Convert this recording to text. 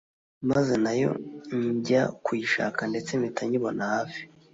maze nayo njya kuyishaka ndetse mpita nyibona hafi